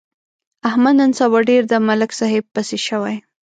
احمد نن سبا ډېر د ملک صاحب پسې شوی.